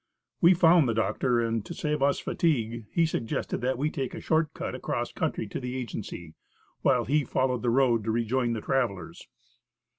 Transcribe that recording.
We found the doctor, and to save us fatigue, he suggested that we take a short cut across country to the agency, while he followed the road to rejoin the travelers.